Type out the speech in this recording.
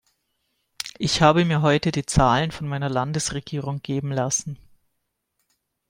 Ich habe mir heute die Zahlen von meiner Landesregierung geben lassen.